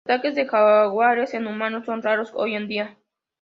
Los ataques de jaguares en humanos son raros hoy en día.